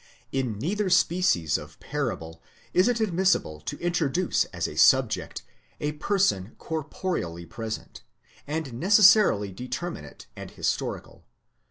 In neither speciesof parable is it admissible to introduce as a subject a person corporeally present, and necessarily determinate and historical.